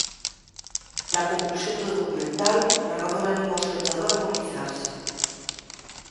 Na conclusión do documental o narrador anima o espectador a mobilizarse.